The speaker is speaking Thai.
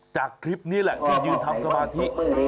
จากคลิปนี้แหละที่ยืนทำสมาธิ